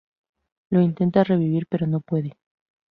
Lo intenta revivir pero no puede.